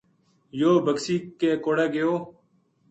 یوہ بکسی کے کوڑے گیو